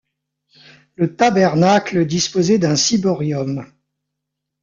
Le tabernacle disposait d’un ciborium.